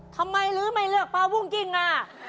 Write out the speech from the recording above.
ทำไมหรือไม่เลือกเป้าบุ่งจิตน่ะ